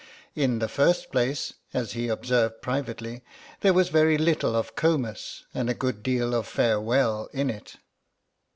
In the first place, as he observed privately, there was very little of Comus and a good deal of farewell in it.